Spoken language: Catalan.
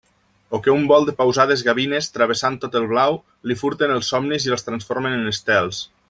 O que un vol de pausades gavines, travessant tot el blau, li furten els somnis i els transformen en estels.